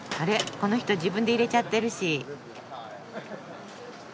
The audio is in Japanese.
この人自分で入れちゃってるし。